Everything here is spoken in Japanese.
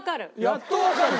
「やっとわかる」？